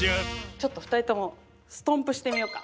ちょっと２人ともストンプしてみようか。